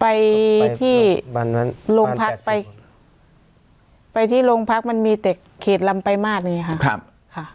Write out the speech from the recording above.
ไปที่บ้านบ้านบ้านแปดสิบคนไปที่โรงพักมันมีแต่เขตลำไปมาดอย่างงี้ค่ะครับค่ะ